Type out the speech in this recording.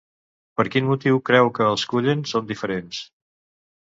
Per quin motiu creu que els Cullen són diferents?